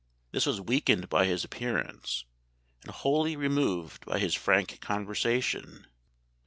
This was weakened by his appearance, and wholly removed by his frank conversation.